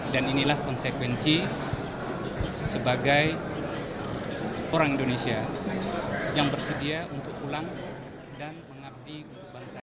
dan inilah konsekuensi sebagai orang indonesia yang bersedia untuk pulang dan mengabdi untuk bangsa